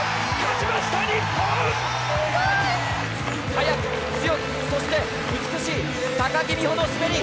速く強くそして美しい木美帆の滑り。